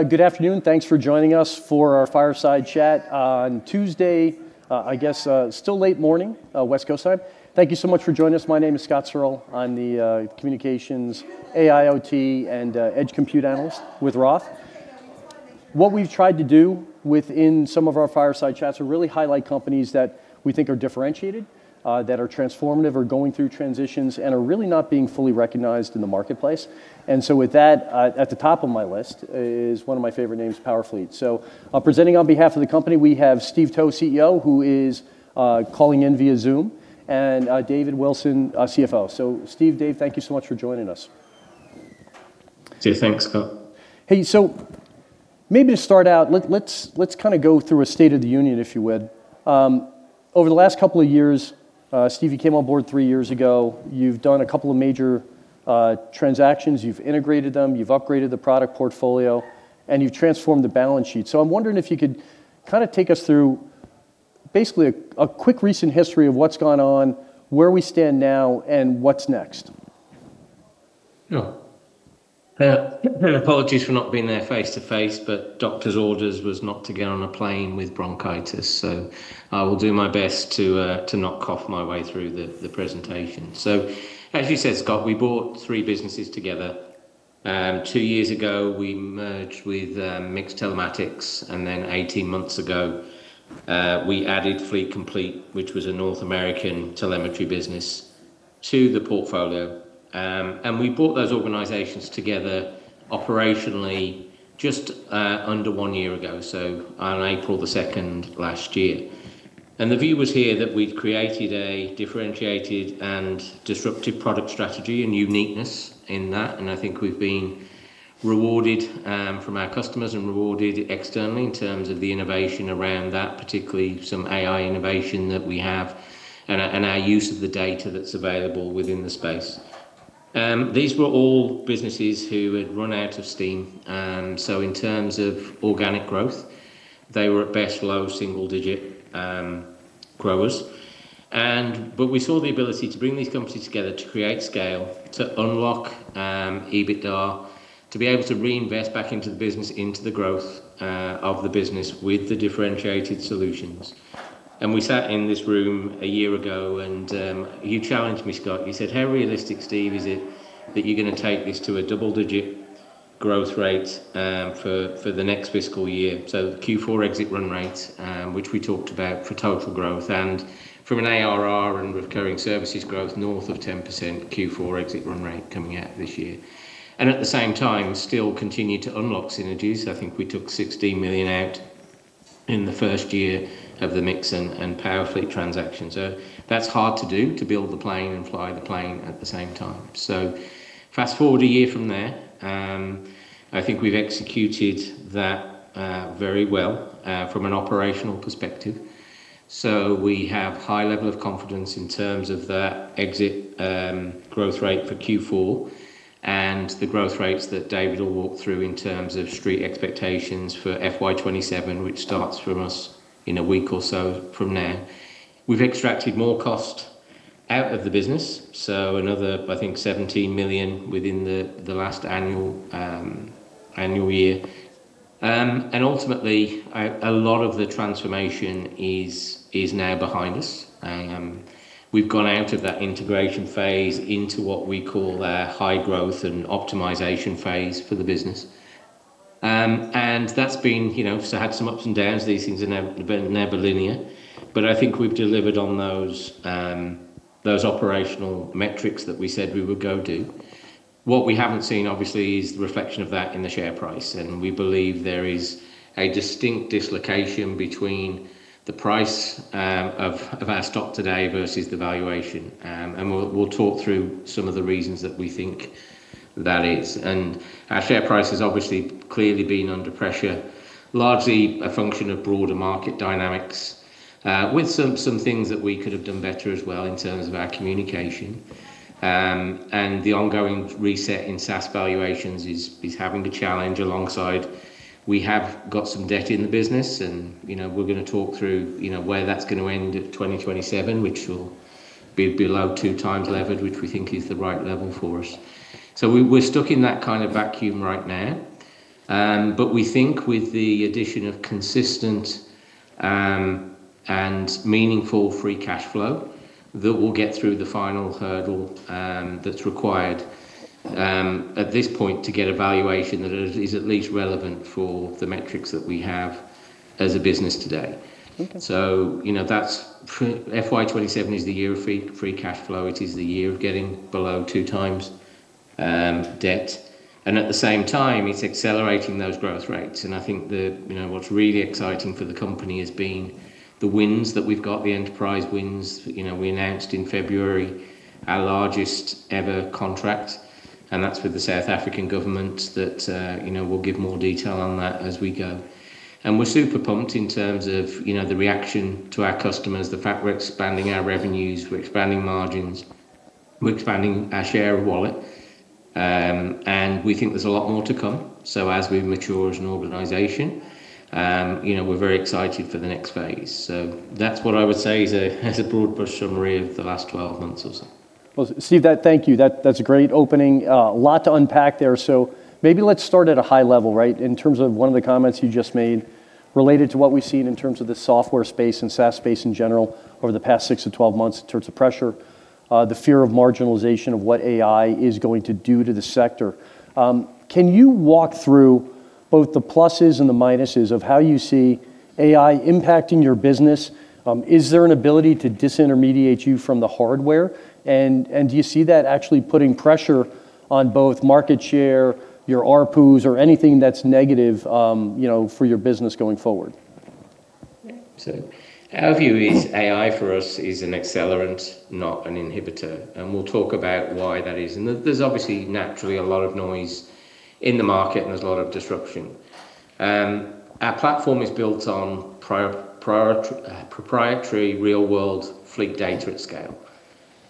Good afternoon. Thanks for joining us for our fireside chat on Tuesday, I guess, still late morning, West Coast side. Thank you so much for joining us. My name is Scott Searle. I'm the communications, AIOT, and edge compute analyst with Roth. What we've tried to do within some of our fireside chats are really highlight companies that we think are differentiated, that are transformative or going through transitions and are really not being fully recognized in the marketplace. With that, at the top of my list is one of my favorite names, Powerfleet. Presenting on behalf of the company, we have Steve Towe, CEO, who is calling in via Zoom, and David Wilson, CFO. Steve, Dave, thank you so much for joining us. Yeah, thanks, Scott. Hey, maybe to start out, let's kinda go through a state of the union, if you would. Over the last couple of years, Steve, you came on board three years ago. You've done a couple of major transactions. You've integrated them, you've upgraded the product portfolio, and you've transformed the balance sheet. I'm wondering if you could kinda take us through basically a quick recent history of what's gone on, where we stand now, and what's next. Yeah. Apologies for not being there face-to-face, but doctor's orders was not to get on a plane with bronchitis. I will do my best to not cough my way through the presentation. As you said, Scott, we bought three businesses together. Two years ago, we merged with MiX Telematics, and then 18 months ago, we added Fleet Complete, which was a North American telemetry business, to the portfolio. We brought those organizations together operationally just under 1 year ago, so on April the second last year. The view was here that we'd created a differentiated and disruptive product strategy and uniqueness in that, and I think we've been rewarded from our customers and rewarded externally in terms of the innovation around that, particularly some AI innovation that we have and our use of the data that's available within the space. These were all businesses who had run out of steam, so in terms of organic growth, they were at best low single-digit growers. We saw the ability to bring these companies together to create scale, to unlock EBITDA, to be able to reinvest back into the business, into the growth of the business with the differentiated solutions. We sat in this room a year ago, and you challenged me, Scott. You said, "How realistic, Steve, is it that you're gonna take this to a double digit growth rate for the next fiscal year?" Q4 exit run rates, which we talked about for total growth and from an ARR and recurring services growth north of 10% Q4 exit run rate coming out this year. At the same time, still continue to unlock synergies. I think we took $16 million out in the first year of the MiX and Powerfleet transaction. That's hard to do, to build the plane and fly the plane at the same time. Fast-forward a year from there, I think we've executed that very well from an operational perspective. We have high level of confidence in terms of that exit growth rate for Q4 and the growth rates that David will walk through in terms of street expectations for FY 2027, which starts for us in a week or so from now. We've extracted more cost out of the business, so another, I think, $17 million within the last annual year. And ultimately, a lot of the transformation is now behind us. We've gone out of that integration phase into what we call our high growth and optimization phase for the business. And that's been, you know, so had some ups and downs. These things are never been linear. I think we've delivered on those operational metrics that we said we would go do. What we haven't seen, obviously, is the reflection of that in the share price. We believe there is a distinct dislocation between the price of our stock today versus the valuation. We'll talk through some of the reasons that we think that is. Our share price has obviously clearly been under pressure, largely a function of broader market dynamics with some things that we could have done better as well in terms of our communication. The ongoing reset in SaaS valuations is having a challenge alongside we have got some debt in the business and, you know, we're gonna talk through, you know, where that's gonna end at 2027, which will be below 2x levered, which we think is the right level for us. We're stuck in that kind of vacuum right now. We think with the addition of consistent, and meaningful free cash flow, that we'll get through the final hurdle, that's required, at this point to get a valuation that is at least relevant for the metrics that we have as a business today. Okay. FY 2027 is the year of free cash flow. It is the year of getting below 2x debt. At the same time, it's accelerating those growth rates. I think what's really exciting for the company has been the wins that we've got, the enterprise wins. We announced in February our largest ever contract, and that's with the South African government. We'll give more detail on that as we go. We're super pumped in terms of the reaction to our customers, the fact we're expanding our revenues, we're expanding margins, we're expanding our share of wallet, and we think there's a lot more to come. As we mature as an organization, we're very excited for the next phase. That's what I would say is a broad brush summary of the last 12 months or so. Well, Steve, thank you. That's a great opening. A lot to unpack there. Maybe let's start at a high level, right? In terms of one of the comments you just made related to what we've seen in terms of the software space and SaaS space in general over the past 6 months-12 months in terms of pressure, the fear of marginalization of what AI is going to do to the sector. Can you walk through both the pluses and the minuses of how you see AI impacting your business? Is there an ability to disintermediate you from the hardware? And do you see that actually putting pressure on both market share, your ARPU or anything that's negative, you know, for your business going forward? Our view is AI for us is an accelerant, not an inhibitor, and we'll talk about why that is. There's obviously naturally a lot of noise in the market, and there's a lot of disruption. Our platform is built on proprietary real-world fleet data at scale,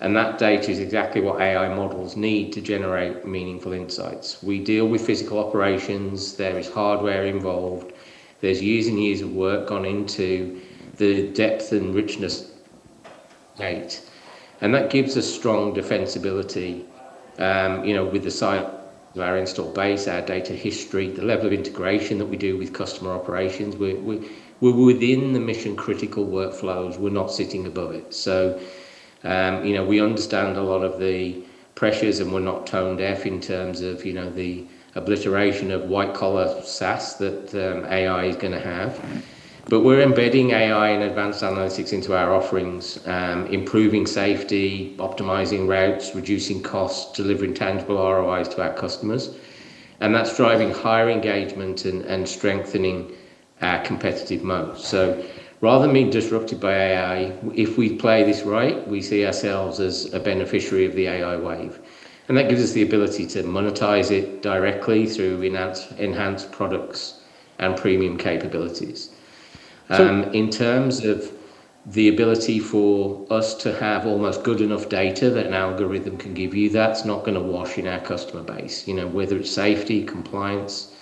and that data is exactly what AI models need to generate meaningful insights. We deal with physical operations. There is hardware involved. There's years and years of work gone into the depth and richness of data, and that gives us strong defensibility, you know, with the size of our install base, our data history, the level of integration that we do with customer operations. We're within the mission-critical workflows. We're not sitting above it. We understand a lot of the pressures, and we're not tone deaf in terms of, you know, the obliteration of white-collar SaaS that AI is gonna have. We're embedding AI and advanced analytics into our offerings, improving safety, optimizing routes, reducing costs, delivering tangible ROIs to our customers, and that's driving higher engagement and strengthening our competitive moat. Rather than being disrupted by AI, if we play this right, we see ourselves as a beneficiary of the AI wave. That gives us the ability to monetize it directly through enhanced products and premium capabilities. In terms of the ability for us to have almost good enough data that an algorithm can give you, that's not gonna wash in our customer base. You know, whether it's safety, compliance,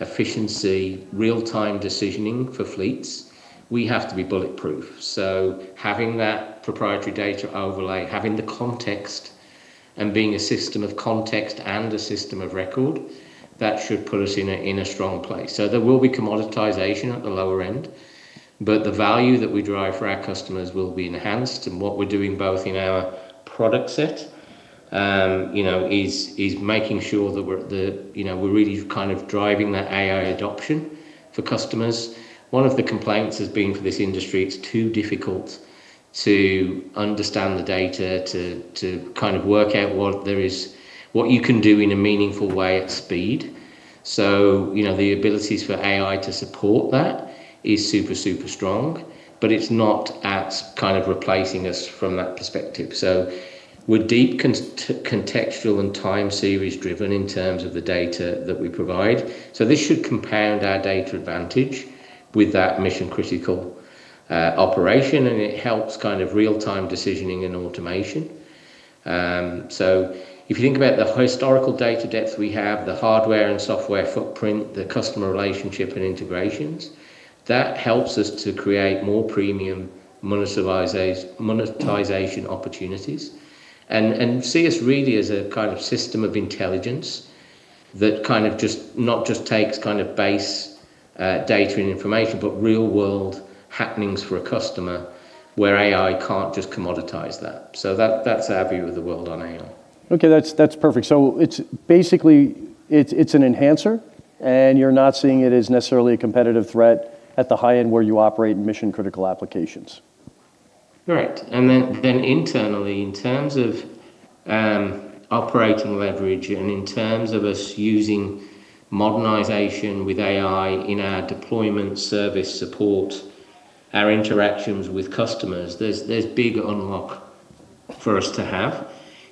efficiency, real-time decisioning for fleets, we have to be bulletproof. Having that proprietary data overlay, having the context and being a system of context and a system of record, that should put us in a strong place. There will be commoditization at the lower end, but the value that we drive for our customers will be enhanced. What we're doing both in our product set, you know, is making sure that we're, you know, we're really kind of driving that AI adoption for customers. One of the complaints has been for this industry, it's too difficult to understand the data to kind of work out what there is, what you can do in a meaningful way at speed. You know, the abilities for AI to support that is super strong, but it's not at kind of replacing us from that perspective. We're deep contextual and time series-driven in terms of the data that we provide. This should compound our data advantage with that mission-critical operation, and it helps kind of real-time decisioning and automation. If you think about the historical data depth we have, the hardware and software footprint, the customer relationship and integrations, that helps us to create more premium monetization opportunities and see us really as a kind of system of intelligence that kind of just not just takes kind of base data and information, but real-world happenings for a customer where AI can't just commoditize that. That's our view of the world on AI. Okay. That's perfect. It's basically an enhancer, and you're not seeing it as necessarily a competitive threat at the high end where you operate in mission-critical applications. Correct. Then internally, in terms of operating leverage and in terms of us using modernization with AI in our deployment service support, our interactions with customers, there's big unlock for us to have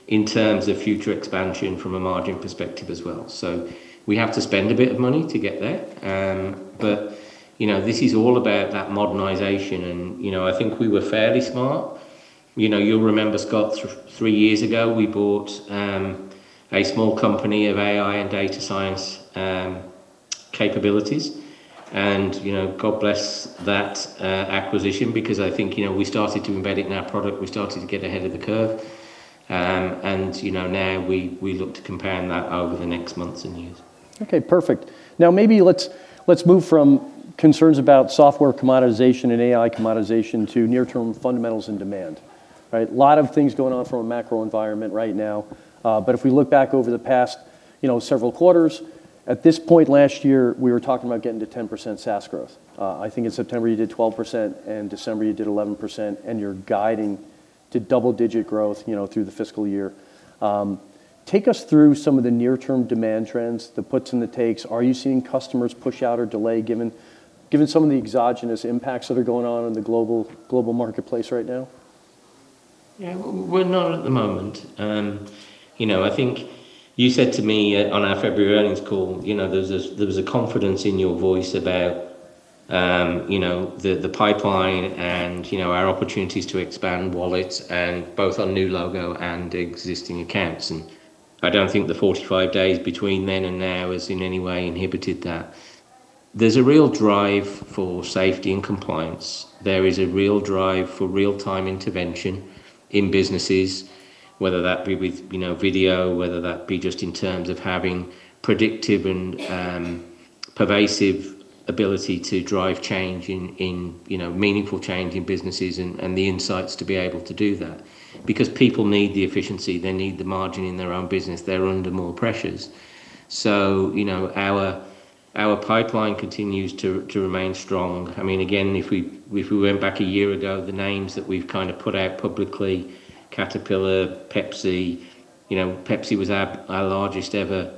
in terms of future expansion from a margin perspective as well. We have to spend a bit of money to get there. You know, this is all about that modernization and, you know, I think we were fairly smart. You know, you'll remember, Scott, three years ago, we bought a small company of AI and data science capabilities and, you know, God bless that acquisition because I think, you know, we started to embed it in our product. We started to get ahead of the curve and you know, now we look to compound that over the next months and years. Okay. Perfect. Now maybe let's move from concerns about software commoditization and AI commoditization to near-term fundamentals and demand, right? A lot of things going on from a macro environment right now. If we look back over the past, you know, several quarters, at this point last year, we were talking about getting to 10% SaaS growth. I think in September you did 12%, in December you did 11%, and you're guiding to double-digit growth, you know, through the fiscal year. Take us through some of the near-term demand trends, the puts and the takes. Are you seeing customers push out or delay given some of the exogenous impacts that are going on in the global marketplace right now? Yeah. We're not at the moment. You know, I think you said to me on our February earnings call, you know, there was a confidence in your voice about, you know, the pipeline and, you know, our opportunities to expand wallets and both on new logo and existing accounts. I don't think the 45 days between then and now has in any way inhibited that. There's a real drive for safety and compliance. There is a real drive for real-time intervention in businesses, whether that be with, you know, video, whether that be just in terms of having predictive and, pervasive ability to drive change in, you know, meaningful change in businesses and the insights to be able to do that. Because people need the efficiency, they need the margin in their own business. They're under more pressures. You know, our pipeline continues to remain strong. I mean, again, if we went back a year ago, the names that we've kinda put out publicly, Caterpillar, Pepsi. You know, Pepsi was our largest ever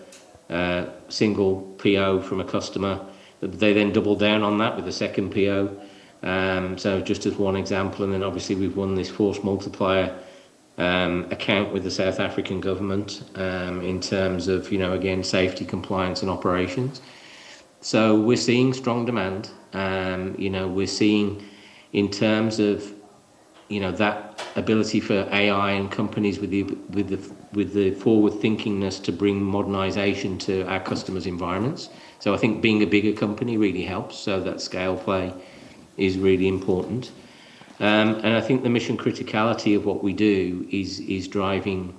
single PO from a customer. They then doubled down on that with a second PO. Just as one example, and then obviously we've won this force multiplier account with the South African government in terms of, you know, again, safety, compliance and operations. We're seeing strong demand. You know, we're seeing in terms of, you know, that ability for AI and companies with the forward-thinkingness to bring modernization to our customers' environments. I think being a bigger company really helps. That scale play is really important. I think the mission criticality of what we do is driving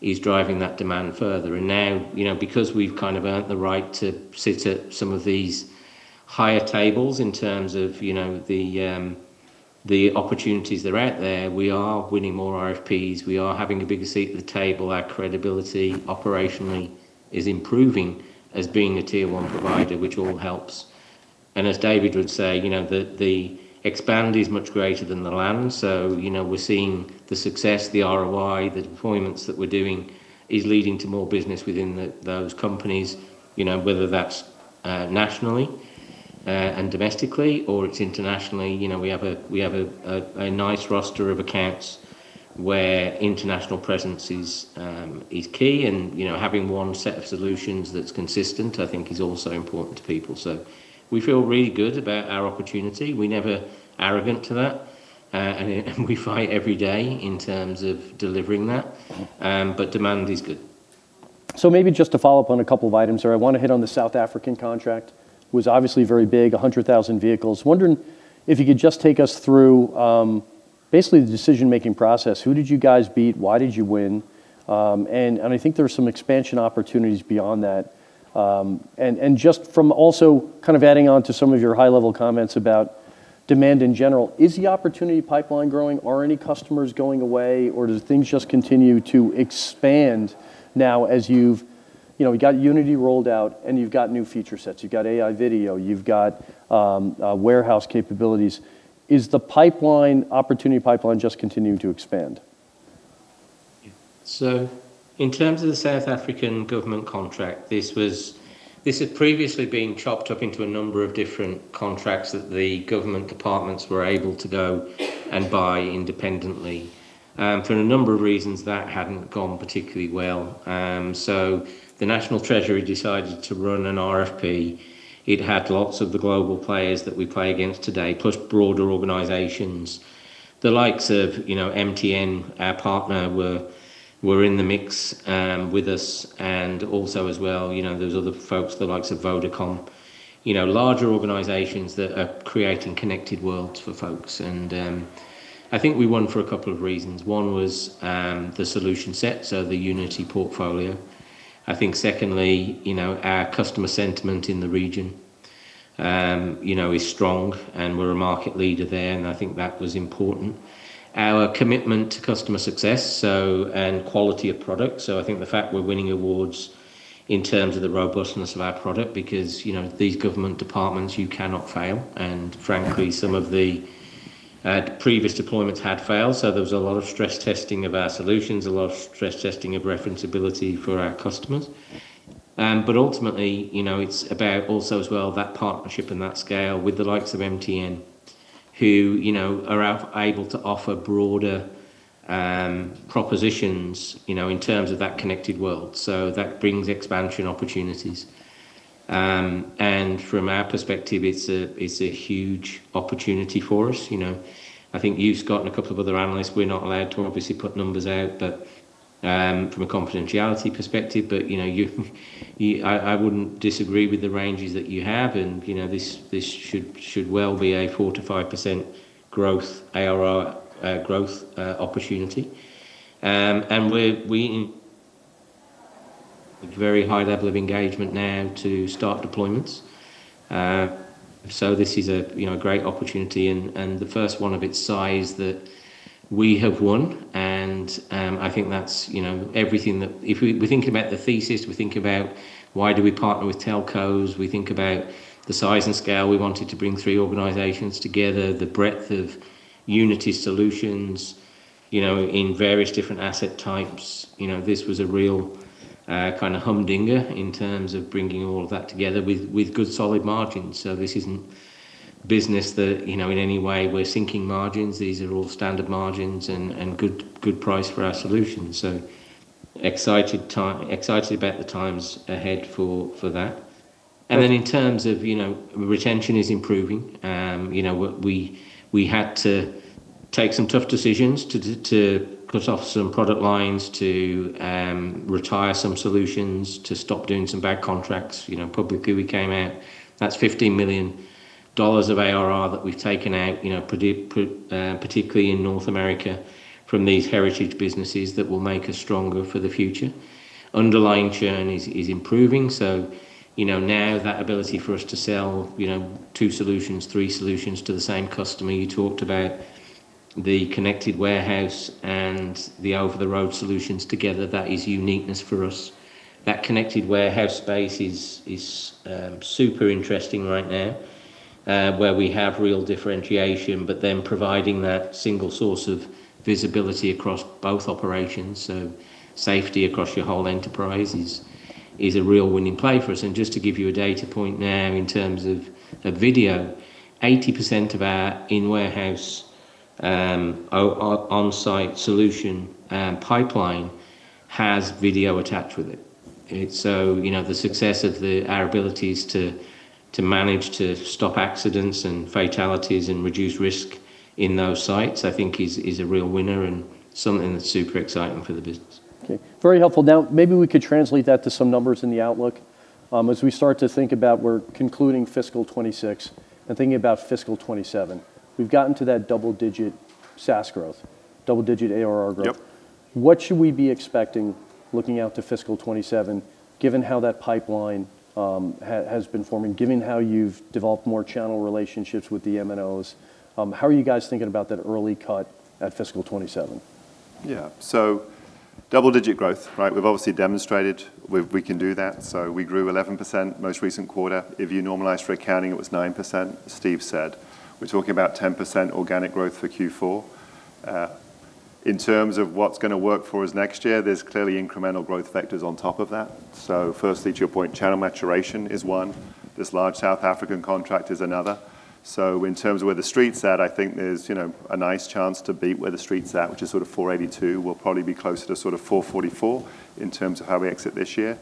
that demand further. Now, you know, because we've kind of earned the right to sit at some of these higher tables in terms of, you know, the opportunities that are out there, we are winning more RFPs. We are having a bigger seat at the table. Our credibility operationally is improving as being a tier one provider, which all helps. As David would say, you know, the expand is much greater than the land. You know, we're seeing the success, the ROI, the deployments that we're doing is leading to more business within those companies, you know, whether that's nationally and domestically, or it's internationally. You know, we have a nice roster of accounts where international presence is key and, you know, having one set of solutions that's consistent, I think is also important to people. We feel really good about our opportunity. We're never arrogant to that, and we fight every day in terms of delivering that. Demand is good. Maybe just to follow up on a couple of items, or I wanna hit on the South African contract, was obviously very big, 100,000 vehicles. Wondering if you could just take us through basically the decision-making process. Who did you guys beat? Why did you win? And I think there are some expansion opportunities beyond that. And just from also kind of adding on to some of your high-level comments about demand in general, is the opportunity pipeline growing? Are any customers going away, or do things just continue to expand now as you've you know you got Unity rolled out and you've got new feature sets, you've got AI video, you've got warehouse capabilities. Is the pipeline, opportunity pipeline just continuing to expand? Yeah. In terms of the South African government contract, this had previously been chopped up into a number of different contracts that the government departments were able to go and buy independently. For a number of reasons, that hadn't gone particularly well. The National Treasury decided to run an RFP. It had lots of the global players that we play against today, plus broader organizations. The likes of, you know, MTN, our partner, were in the mix with us, and also as well, you know, those other folks, the likes of Vodacom, you know, larger organizations that are creating connected worlds for folks. I think we won for a couple of reasons. One was the solution set, so the Unity portfolio. I think secondly, you know, our customer sentiment in the region is strong, and we're a market leader there, and I think that was important. Our commitment to customer success and quality of product. I think the fact we're winning awards in terms of the robustness of our product, because, you know, these government departments, you cannot fail, and frankly, some of the previous deployments had failed. There was a lot of stress testing of our solutions, a lot of stress testing of referability for our customers. Ultimately, you know, it's about also as well that partnership and that scale with the likes of MTN, who, you know, are able to offer broader propositions, you know, in terms of that connected world. That brings expansion opportunities. From our perspective, it's a huge opportunity for us. You know, I think you've got and a couple of other analysts, we're not allowed to obviously put numbers out, but from a confidentiality perspective. You know, I wouldn't disagree with the ranges that you have and, you know, this should well be a 4%-5% ARR growth opportunity. We're very high level of engagement now to start deployments. This is a great opportunity and the first one of its size that we have won. I think that's everything. If we think about the thesis, we think about why we partner with telcos, we think about the size and scale. We wanted to bring three organizations together, the breadth of Unity solutions, you know, in various different asset types. You know, this was a real kinda humdinger in terms of bringing all of that together with good solid margins. This isn't business that, you know, in any way we're sinking margins. These are all standard margins and good price for our solutions. Excited about the times ahead for that. Then in terms of, you know, retention is improving. You know, we had to take some tough decisions to cut off some product lines, to retire some solutions, to stop doing some bad contracts. You know, publicly we came out, that's $15 million of ARR that we've taken out, you know, particularly in North America from these heritage businesses that will make us stronger for the future. Underlying churn is improving. You know, now that ability for us to sell, you know, two solutions, three solutions to the same customer. You talked about the in-warehouse solutions and the over-the-road solutions together, that is uniqueness for us. That in-warehouse solutions space is super interesting right now, where we have real differentiation, but then providing that single source of visibility across both operations, so safety across your whole enterprise is a real winning play for us. Just to give you a data point now in terms of video, 80% of our in-warehouse on-site solution pipeline has video attached with it. You know, the success of our abilities to manage to stop accidents and fatalities and reduce risk in those sites, I think is a real winner and something that's super exciting for the business. Okay. Very helpful. Now maybe we could translate that to some numbers in the outlook. As we start to think about we're concluding fiscal 2026 and thinking about fiscal 2027. We've gotten to that double digit SaaS growth, double digit ARR growth. Yep. What should we be expecting looking out to fiscal 2027, given how that pipeline has been forming, given how you've developed more channel relationships with the MNOs, how are you guys thinking about that early cut at fiscal 2027? Yeah. Double-digit growth, right? We've obviously demonstrated we can do that. We grew 11% most recent quarter. If you normalize for accounting, it was 9%, Steve said. We're talking about 10% organic growth for Q4. In terms of what's gonna work for us next year, there's clearly incremental growth vectors on top of that. Firstly, to your point, channel maturation is one. This large South African contract is another. In terms of where the street's at, I think there's, you know, a nice chance to beat where the street's at, which is sort of $482. We'll probably be closer to sort of $444 in terms of how we exit this year.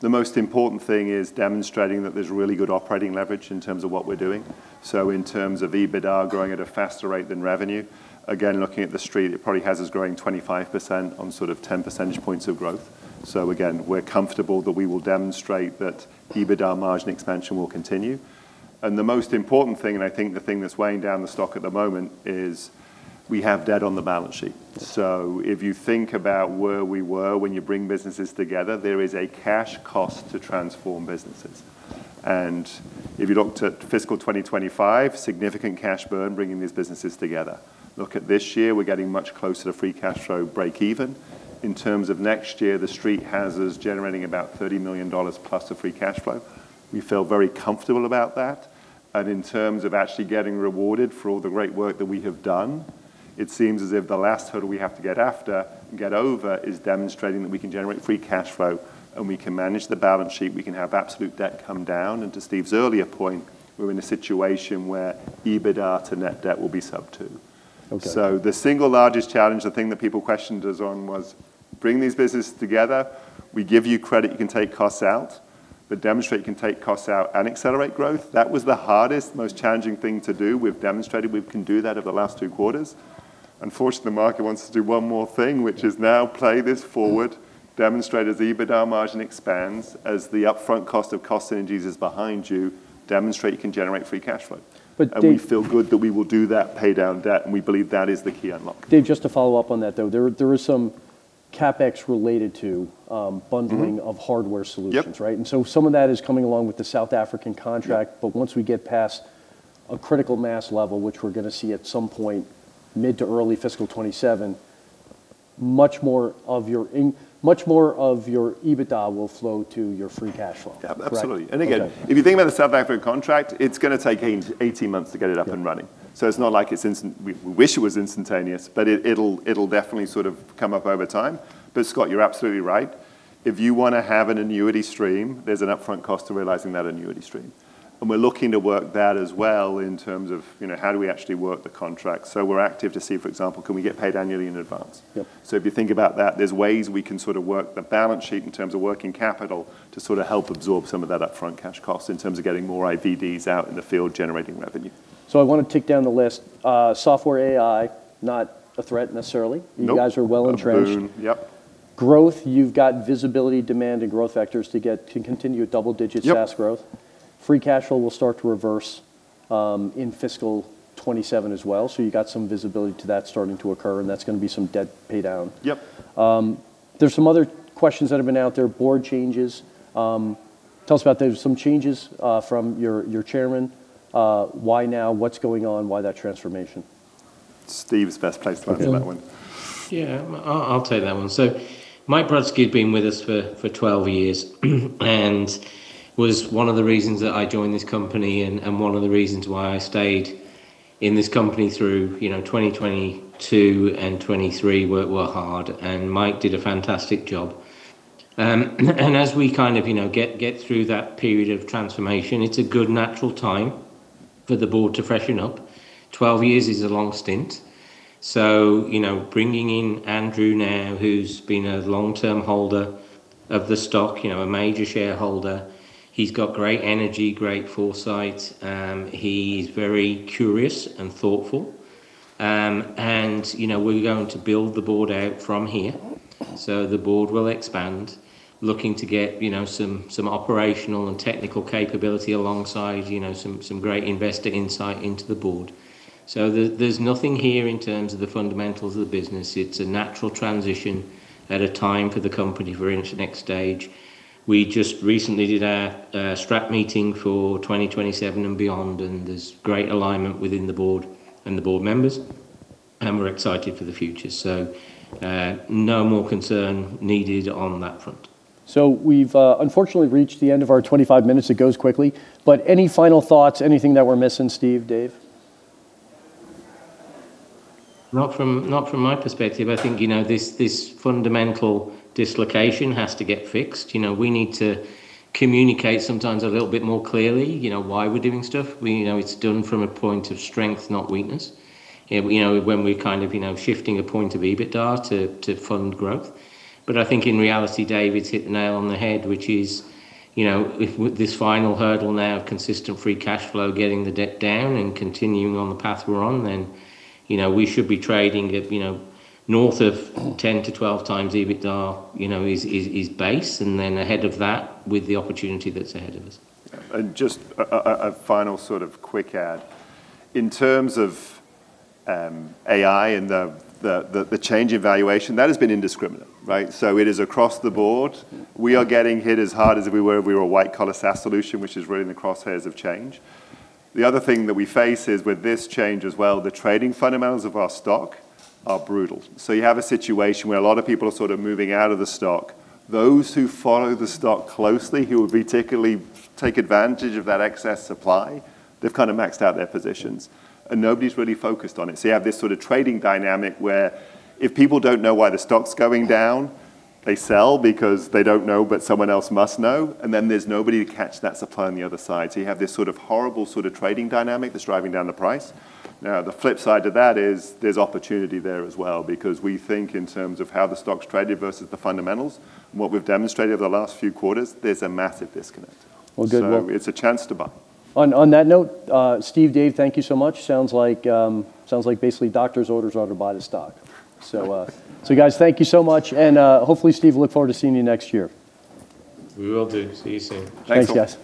The most important thing is demonstrating that there's really good operating leverage in terms of what we're doing. In terms of EBITDA growing at a faster rate than revenue, again, looking at the street, it probably has us growing 25% on sort of 10 percentage points of growth. Again, we're comfortable that we will demonstrate that EBITDA margin expansion will continue. The most important thing, and I think the thing that's weighing down the stock at the moment, is we have debt on the balance sheet. If you think about where we were when you bring businesses together, there is a cash cost to transform businesses. If you look to fiscal 2025, significant cash burn bringing these businesses together. Look at this year, we're getting much closer to free cash flow breakeven. In terms of next year, the street has us generating about $30 million plus of free cash flow. We feel very comfortable about that. In terms of actually getting rewarded for all the great work that we have done, it seems as if the last hurdle we have to get over is demonstrating that we can generate free cash flow, and we can manage the balance sheet, we can have absolute debt come down. To Steve's earlier point, we're in a situation where EBITDA to net debt will be sub two. Okay. The single largest challenge, the thing that people questioned us on, was bring these businesses together. We give you credit, you can take costs out, but demonstrate you can take costs out and accelerate growth. That was the hardest, most challenging thing to do. We've demonstrated we can do that over the last two quarters. Unfortunately, the market wants to do one more thing, which is now play this forward, demonstrate as EBITDA margin expands, as the upfront cost of cost synergies is behind you, demonstrate you can generate free cash flow. Dave- We feel good that we will do that, pay down debt, and we believe that is the key unlock. Dave, just to follow up on that though, there is some CapEx related to bundling- Mm-hmm. ...of hardware solutions, right? Yep. Some of that is coming along with the South African contract. Yeah. Once we get past a critical mass level, which we're gonna see at some point mid to early fiscal 2027, much more of your EBITDA will flow to your free cash flow. Yeah, absolutely. Correct? Okay. If you think about the South African contract, it's gonna take 18 months to get it up and running. Yeah. It's not like it's instantaneous. We wish it was instantaneous, but it'll definitely sort of come up over time. Scott, you're absolutely right. If you wanna have an annuity stream, there's an upfront cost to realizing that annuity stream. We're looking to work that as well in terms of, you know, how do we actually work the contract. We're active to see, for example, can we get paid annually in advance? Yep. If you think about that, there's ways we can sort of work the balance sheet in terms of working capital to sort of help absorb some of that upfront cash cost in terms of getting more IVDs out in the field generating revenue. I wanna tick down the list. Software AI, not a threat necessarily. Nope. You guys are well entrenched. A boon. Yep. Growth, you've got visibility, demand, and growth vectors to get to continue at double-digit SaaS growth. Yep. Free cash flow will start to reverse in fiscal 2027 as well. You got some visibility to that starting to occur, and that's gonna be some debt pay down. Yep. There's some other questions that have been out there. Board changes. Tell us about those. Some changes from your chairman. Why now? What's going on? Why that transformation? Steve's best placed to answer that one. Yeah. Yeah. I'll take that one. Mike Powell had been with us for 12 years and was one of the reasons that I joined this company and one of the reasons why I stayed in this company through, you know, 2022 and 2023 were hard, and Mike did a fantastic job. As we kind of, you know, get through that period of transformation, it's a good natural time for the board to freshen up. Twelve years is a long stint. You know, bringing in Andrew now, who's been a long-term holder of the stock, you know, a major shareholder. He's got great energy, great foresight. He's very curious and thoughtful. You know, we're going to build the board out from here. The board will expand, looking to get, you know, some operational and technical capability alongside, you know, some great investor insight into the board. There's nothing here in terms of the fundamentals of the business. It's a natural transition at a time for the company. We're into the next stage. We just recently did our strategic meeting for 2027 and beyond, and there's great alignment within the board and the board members, and we're excited for the future. No more concern needed on that front. We've unfortunately reached the end of our 25 minutes. It goes quickly. Any final thoughts? Anything that we're missing, Steve, Dave? Not from my perspective. I think, you know, this fundamental dislocation has to get fixed. You know, we need to communicate sometimes a little bit more clearly, you know, why we're doing stuff. We know it's done from a point of strength, not weakness. You know, when we're kind of, you know, shifting a point of EBITDA to fund growth. I think in reality, David, it's hit the nail on the head, which is, you know, if this final hurdle now of consistent free cash flow, getting the debt down and continuing on the path we're on, then, you know, we should be trading at, you know, north of 10x-12x EBITDA, you know, is base and then ahead of that with the opportunity that's ahead of us. Just a final sort of quick add. In terms of AI and the change evaluation, that has been indiscriminate, right? It is across the board. We are getting hit as hard as if we were a white-collar SaaS solution, which is really in the crosshairs of change. The other thing that we face is with this change as well, the trading fundamentals of our stock are brutal. You have a situation where a lot of people are sort of moving out of the stock. Those who follow the stock closely, who would particularly take advantage of that excess supply, they've kind of maxed out their positions and nobody's really focused on it. You have this sort of trading dynamic where if people don't know why the stock's going down, they sell because they don't know, but someone else must know, and then there's nobody to catch that supply on the other side. You have this sort of horrible sort of trading dynamic that's driving down the price. Now, the flip side to that is there's opportunity there as well because we think in terms of how the stock's traded versus the fundamentals and what we've demonstrated over the last few quarters, there's a massive disconnect. Well, good. It's a chance to buy. On that note, Steve, Dave, thank you so much. Sounds like basically doctor's orders are to buy the stock. Guys, thank you so much and hopefully, Steve, I look forward to seeing you next year. We will do. See you soon. Thanks. Thanks, guys.